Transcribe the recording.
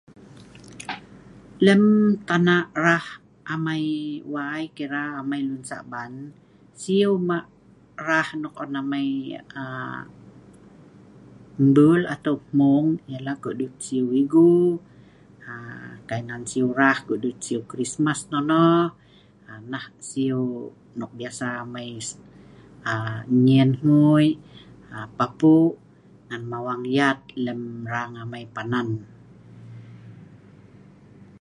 lem tana' rah amei wai kira amei lun Sa'ban siu ma rah nok on amei aa mbul atau hmung ialah kudut siu Igu aa kai nan siu rah kudut siu krismas nonoh aa nah siu nok biasa amei aa nyen hgui aa papuk ngan mawang yat lem rang amei panan